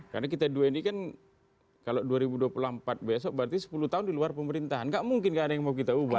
karena kita dua ini kan kalau dua ribu dua puluh empat besok berarti sepuluh tahun di luar pemerintahan nggak mungkin nggak ada yang mau kita ubah